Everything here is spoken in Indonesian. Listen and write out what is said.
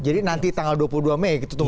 jadi nanti tanggal dua puluh dua mei gitu tuh